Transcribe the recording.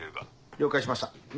了解しました私。